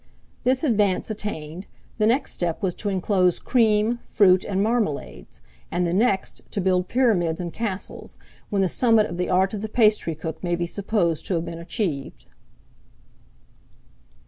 This advance attained, the next step was to inclose cream, fruit, and marmalades; and the next, to build pyramids and castles; when the summit of the art of the pastry cook may be supposed to have been achieved.